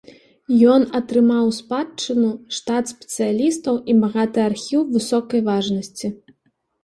Ён атрымаў у спадчыну штат спецыялістаў і багаты архіў высокай важнасці.